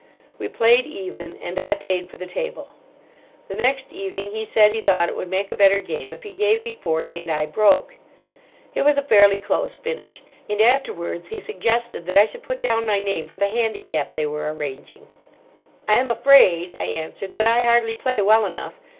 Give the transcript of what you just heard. We played even, and I paid for the table. The next evening he said he thought it would make a better game if he gave me forty and I broke. It was a fairly close finish, and afterwards he suggested that I should put down my name for the handicap they were arranging. "I am afraid," I answered, "that I hardly play well enough.